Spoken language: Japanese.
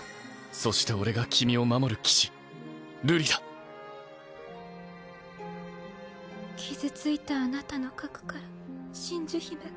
そして俺が君を守る騎士瑠璃傷ついたあなたの核から真珠姫が。